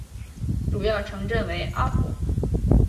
主要城镇为阿普。